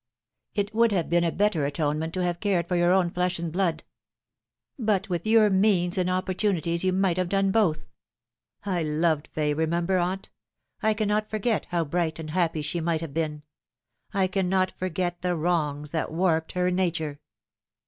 " It would have been a better atonement to have cared for your own flesh and blood ; but with your means and oppor tunities you might have done both. I loved Fay, remember, aunt I cannot forget how bright and happy she might have been. I cannot forget the wrongs that warped her nature."